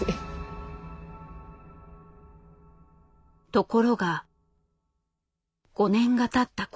ところが５年がたった頃。